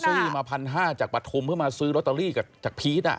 ซื้อมา๑๕๐๐จากปฐุมเพื่อมาซื้อลอตเตอรี่จากพีช